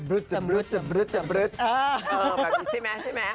แบบนี้ใช่มมั้ยใช่มมั้ย